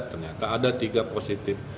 ternyata ada tiga positif